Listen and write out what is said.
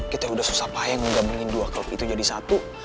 kita udah susah payah menggabungin dua klub itu jadi satu